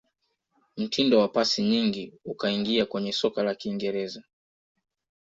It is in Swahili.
Mtindo wa pasi nyingi ukaingia kwenye soka la kiingereza